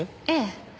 ええ。